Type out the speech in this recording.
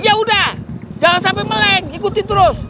ya udah jangan sampai meleng ikuti terus